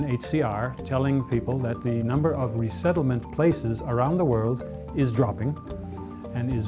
bahwa jumlah tempat penyeludup di seluruh dunia sedang menurun dan sangat kecil